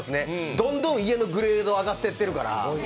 どんどん家のグレード、上がってってるから。